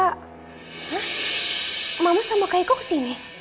hah mama sama kakiku kesini